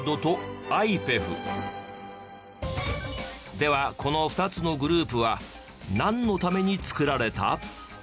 ではこの２つのグループはなんのために作られた？